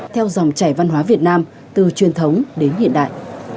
theo dòng chảy văn hóa việt nam từ truyền thống đến hiện đại